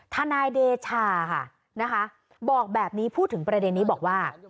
ทนายเดชาค่ะนะคะบอกแบบนี้พูดถึงประเด็นนี้บอกว่า